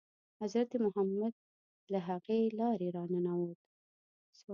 حضرت محمد له همغې لارې را ننووت.